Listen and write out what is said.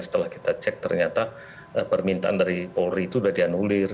setelah kita cek ternyata permintaan dari polri itu sudah dianulir